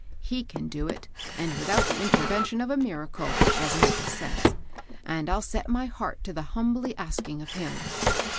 He can do it, and without the intervention of a mirar cle, as Mabel says ; and I'll set my heart to the humbly asking of him."